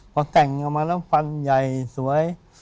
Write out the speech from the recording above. พอแต่งออกมาแล้วฟันใหญ่สวย